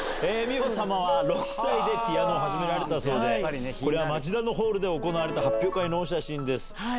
美穂様は６歳でピアノを始められたそうで、これ、町田のホールで行われた発表会のお写真です。